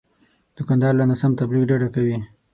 دوکاندار له ناسم تبلیغ ډډه کوي.